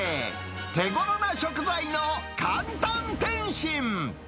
手頃な食材の簡単点心。